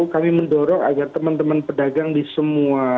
kami mendorong agar teman teman pedagang di semua